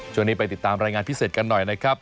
ไปติดตามรายงานพิเศษกันหน่อยนะครับ